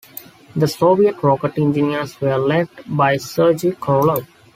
The Soviet rocket engineers were led by Sergei Korolev.